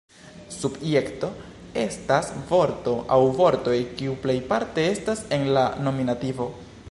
Subjekto estas vorto aŭ vortoj kiu plejparte estas en la nominativo.